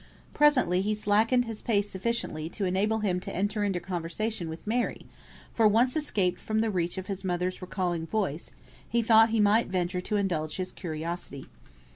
Presently he slackened his pace sufficiently to enable him to enter into conversation with Mary, for once escaped from the reach of his mother's recalling voice, he thought he might venture to indulge his curiosity.